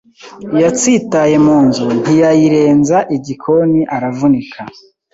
Yatsitaye munzu ntiyayirenza igikoni aravunika